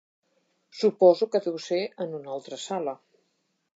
Suposo que deu ser en una altra sala.